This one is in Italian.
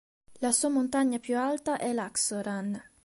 La sua montagna più alta è l'Aksoran.